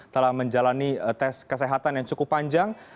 telah menjalani tes kesehatan yang cukup panjang